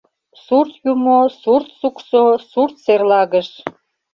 Сурт Юмо, Сурт Суксо, Сурт Серлагыш!